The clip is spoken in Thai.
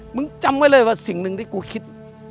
มึงจำไว้เลยว่าสิ่งหนึ่งที่กูคิด